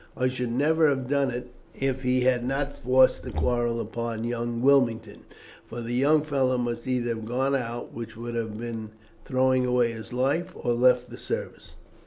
I should never have done it if he had not forced the quarrel upon young Wilmington; for the young fellow must either have gone out, which would have been throwing away his life, or left the service."